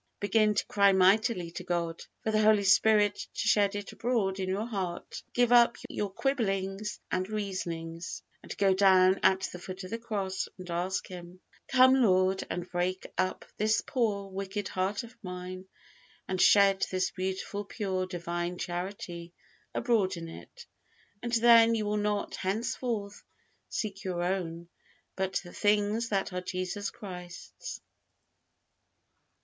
Begin to cry mightily to God, for the Holy Spirit to shed it abroad in your heart; give up your quibblings and reasonings, and go down at the foot of the cross and ask Him, "Come, Lord, and break up this poor, wicked heart of mine, and shed this beautiful, pure, Divine Charity abroad in it," and then you will not, henceforth, seek your own, but the things that are Jesus Christ's.